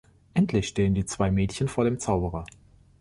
Endlich stehen die zwei Mädchen vor dem Zauberer.